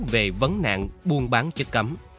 về vấn nạn buôn bán chất cấm